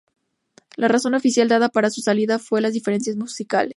La razón oficial dada para su salida fue las diferencias musicales.